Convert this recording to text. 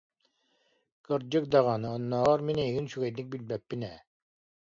Кырдьык даҕаны, оннооҕор мин эйигин үчүгэйдик билбэппин ээ